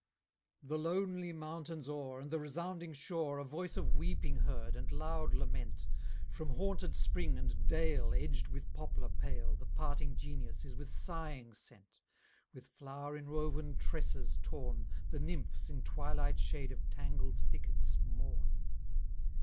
180 XX The lonely mountains o're, And the resounding shore, A voice of weeping heard, and loud lament; From haunted spring, and dale Edg'd with poplar pale The parting Genius is with sighing sent, With flowre inwov'n tresses torn The Nimphs in twilight shade of tangled thickets mourn.